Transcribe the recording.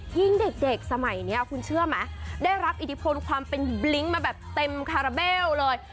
ยิ่งเด็กสมัยนี้คุณเชื่อไหมได้รับอิทธิพลความเป็นบลิ้งมาแบบเต็มคาราเบลเลย